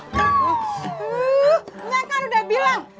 minyak kan udah bilang